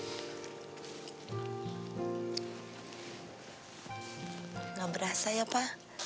enggak berasa ya pa